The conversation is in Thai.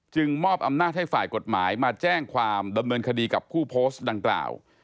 มอบอำนาจให้ฝ่ายกฎหมายมาแจ้งความดำเนินคดีกับผู้โพสต์ดังกล่าว